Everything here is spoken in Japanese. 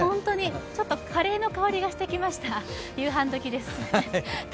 ちょっとカレーの香りがしてきました。